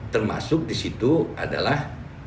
termasuk di situ adalah